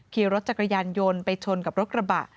ขี่รถจักรยานยนต์ไปชนกับรถกระบะ